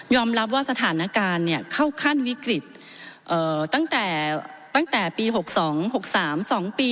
ยอมรับว่าสถานการณ์เนี้ยเข้าขั้นวิกฤตเอ่อตั้งแต่ตั้งแต่ปีหกสองหกสามสองปี